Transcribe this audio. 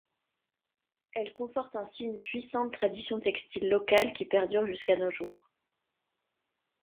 Elle conforte ainsi une puissante tradition textile locale qui perdure jusqu’à nos jours.